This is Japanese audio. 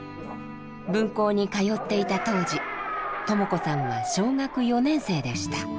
分校に通っていた当時トモ子さんは小学４年生でした。